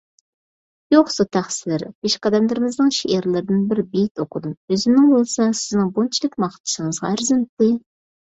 يوقسۇ تەقسىر، پېشقەدەملىرىمىزنىڭ شېئىرلىرىدىن بىر بېيىت ئوقۇدۇم، ئۆزۈمنىڭ بولسا سىزنىڭ بۇنچىلىك ماختىشىڭىزغا ئەرزىمتى.